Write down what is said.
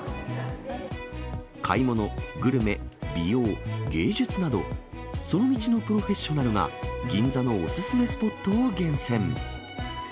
買い物、グルメ、美容、芸術など、その道のプロフェッショナルが、銀座のお勧めスポットを厳選。